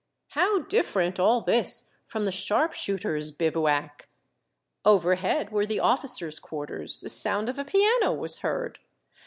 How different all this from the sharp shooters' bivouac ! Overhead were the officers' quarters. The sound of a piano was heard.